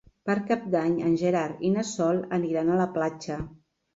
Per Cap d'Any en Gerard i na Sol aniran a la platja.